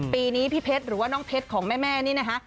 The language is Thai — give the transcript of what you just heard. ปีนี้พี่เพชรหรือว่าน้องเพชรของแม่นี่นะคะ